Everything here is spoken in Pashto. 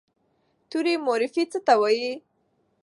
توري مورفي څه ته وایي؟